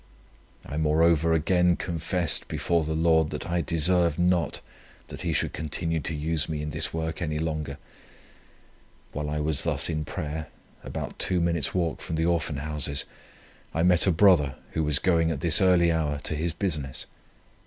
I moreover again confessed before the Lord that I deserved not that He should continue to use me in this work any longer. While I was thus in prayer, about two minutes' walk from the Orphan Houses, I met a brother who was going at this early hour to his business.